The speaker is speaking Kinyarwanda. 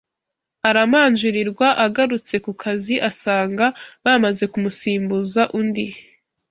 Aramanjirirwa agarutse ku kazi asanga bamaze kumusimbuza undi